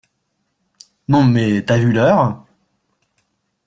Non mais t'as vu l'heure?